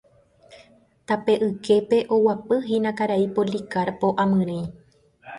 Tape yképe oguapyhína karai Policarpo amyrỹi.